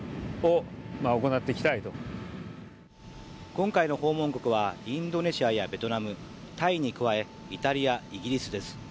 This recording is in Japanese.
今回の訪問国はインドネシアやベトナムタイに加えイタリア、イギリスです。